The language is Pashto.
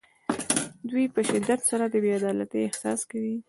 دوی په شدت سره د بې عدالتۍ احساس کوي.